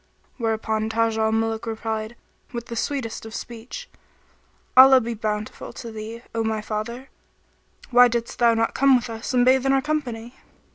"[FN#19] Where upon Taj al Muluk replied, with the sweetest of speech, "Allah be bountiful to thee, O my father; why didst thou not come with us and bathe in our company?"